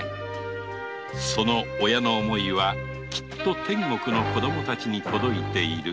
その親の思いはきっと天国の子供たちに届いている